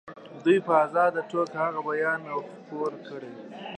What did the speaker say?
دوی په آزاده توګه هغه بیان او خپور کړي.